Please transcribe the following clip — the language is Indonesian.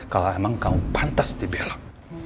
kalau memang kamu pantas dibelak